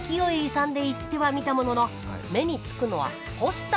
勇んで行ってはみたものの目に付くのはポスターのみ。